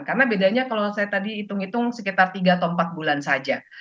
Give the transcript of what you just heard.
karena bedanya kalau saya tadi hitung hitung sekitar tiga atau empat bulan saja